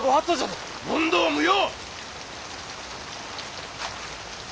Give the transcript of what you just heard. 問答無用！